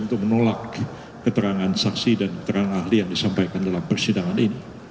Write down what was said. untuk menolak keterangan saksi dan terang ahli yang disampaikan dalam persidangan ini